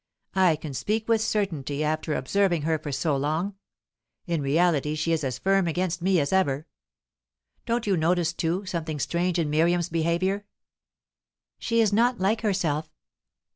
I can speak with certainty after observing her for so long; in reality she is as firm against me as ever. Don't you notice, too, something strange in Miriam's behaviour?" "She is not like herself."